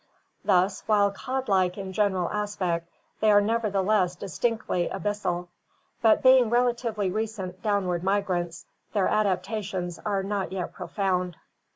Thus, while cod like in general aspect, they are nevertheless dis tinctly abyssal, but being relatively recent downward migrants their adaptations are not yet profound.